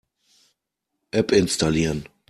App installieren.